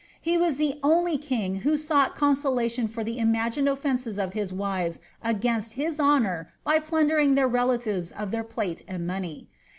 He was the only king who sought consolation for liic imagined ofiences of his wives against his honour by plundering tbdr relatives of their plate and money.